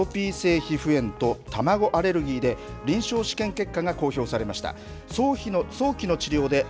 そして、アトピー性皮膚炎と、卵アレルギーで、臨床試験結果が公表されました。